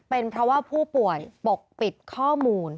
เป็นเพราะว่าผู้ป่วยปกปิดข้อมูล